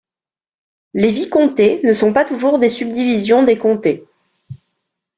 Les vicomtés ne sont pas toujours des subdivisions des comtés.